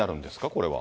これは。